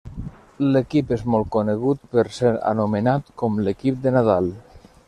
L'equip és molt conegut per ser anomenat com l'Equip de Nadal.